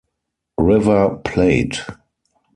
River Plate